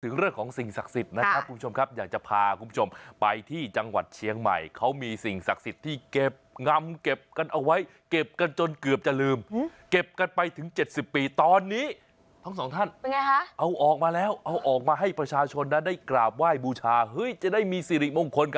เรื่องของสิ่งศักดิ์สิทธิ์นะครับคุณผู้ชมครับอยากจะพาคุณผู้ชมไปที่จังหวัดเชียงใหม่เขามีสิ่งศักดิ์สิทธิ์ที่เก็บงำเก็บกันเอาไว้เก็บกันจนเกือบจะลืมเก็บกันไปถึง๗๐ปีตอนนี้ทั้งสองท่านเป็นไงคะเอาออกมาแล้วเอาออกมาให้ประชาชนนะได้กราบไหว้บูชาเฮ้ยจะได้มีสิริมงคลกับ